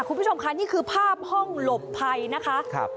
คุณผู้ชมค่ะนี่คือภาพห้องหลบไพรนะคะ